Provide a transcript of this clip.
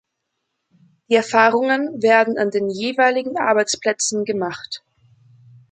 Die Erfahrungen werden an den jeweiligen Arbeitsplätzen gemacht.